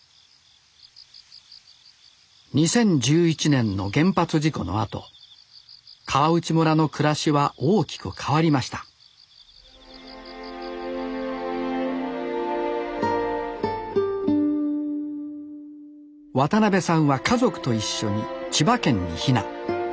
２０１１年の原発事故のあと川内村の暮らしは大きく変わりました渡邉さんは家族と一緒に千葉県に避難。